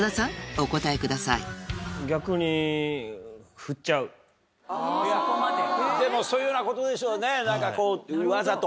お答えくださいでもそういうようなことでしょうね。